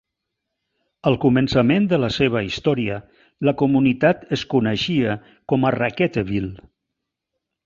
Al començament de la seva història la comunitat es coneixia com a Raquetteville.